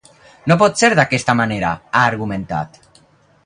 "No pot ser d'aquesta manera", ha argumentat.